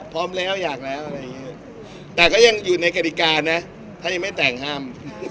พร้อมแล้วอยากแล้วอะไรอย่างนี้แต่ก็ยังอยู่ในกฎิกานะถ้ายังไม่แต่งห้าม